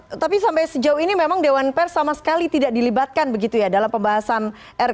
oke tapi sampai sejauh ini memang dewan pers sama sekali tidak dilibatkan begitu ya dalam pembahasan rkuh